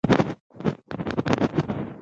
د چرګانو صحي ساتنه د هګیو کیفیت لوړوي.